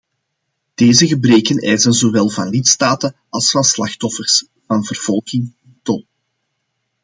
Deze gebreken eisen zowel van lidstaten als van de slachtoffers van vervolging hun tol.